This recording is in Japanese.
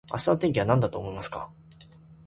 明日の天気はなんだと思いますか